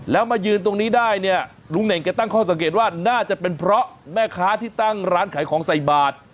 แล้วมายืนตรงนี้ได้เนี่ยลุงเน่งแกตั้งข้อสังเกตว่าน่าจะเป็นเพราะแม่ค้าที่ตั้งร้านขายของใส่บาท